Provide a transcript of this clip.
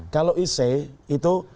kalau isai itu